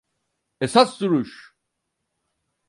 Esas duruş!